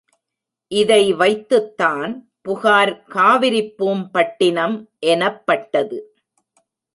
இதை வைத்துத்தான் புகார் காவிரிப்பூம்பட்டினம் எனப்பட்டது.